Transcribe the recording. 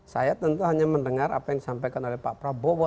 saya tentu hanya mendengar apa yang disampaikan oleh pak prabowo